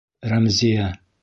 Рәмзиә!..